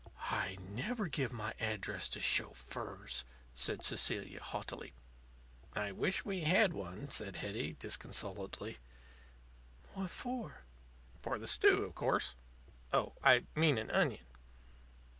"I never give my address to chauffeurs," said Cecilia, haughtily. "I wish we had one," said Hetty, disconsolately. "What for?" "For the stew, of course oh, I mean an onion."